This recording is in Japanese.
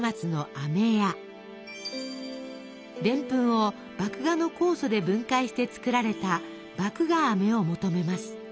でんぷんを麦芽の酵素で分解して作られた「麦芽あめ」を求めます。